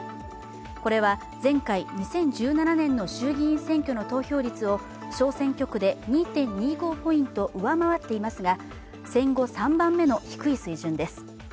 これは前回２０１７年の衆議院選挙の投票率を小選挙区で２．２５ポイント上回っていますが戦後３番目の低い水準です。